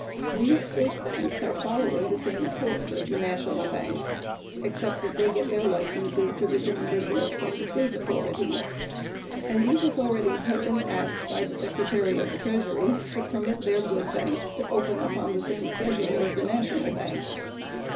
These state banks are following the same course as the national banks except that they get their licenses to resume business from the state authorities, and these authorities have been asked by the Secretary of the Treasury to permit their good banks to open up on the same schedule as the national banks.